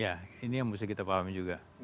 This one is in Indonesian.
ya ini yang mesti kita pahami juga